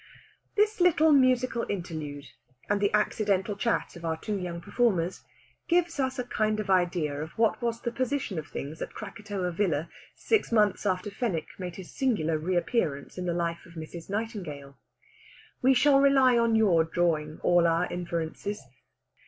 This little musical interlude, and the accidental chat of our two young performers, gives us a kind of idea of what was the position of things at Krakatoa Villa six months after Fenwick made his singular reappearance in the life of Mrs. Nightingale. We shall rely on your drawing all our inferences.